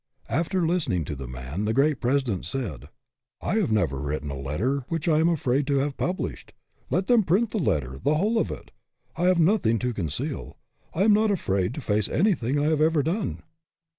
After listening to the man, the great President said, " I have never written a letter which I am afraid to have published. Let them print the letter, the whole of it. I have nothing to conceal. I am not afraid to face anything I have ever done."